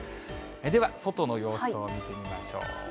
では外の様子を見てみましょう。